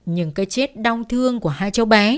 những cái chết đong thương của hai cháu bé